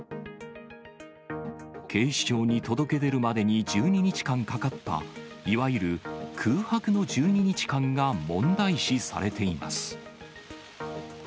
警視庁に届け出るまでに１２日間かかった、いわゆる空白の１２日間が問題視されています。